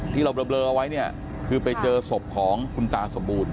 ที่เราเบลอเอาไว้เนี่ยคือไปเจอศพของคุณตาสมบูรณ